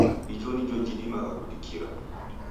Ijo nijo jidimagha kudikira.